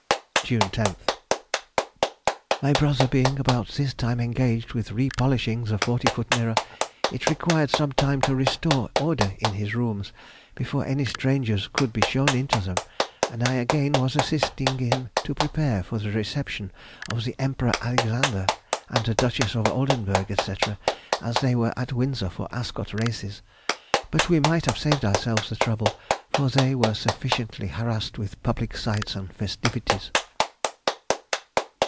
June 10th.—My brother, being about this time engaged with re polishing the forty foot mirror, it required some time to restore order in his rooms before any strangers could be shown into them, and I again was assisting him to prepare for the reception of the Emperor Alexander and the Duchess of Oldenburg, &c., as they were at Windsor for Ascot Races. But we might have saved ourselves the trouble, for they were sufficiently harassed with public sights and festivities.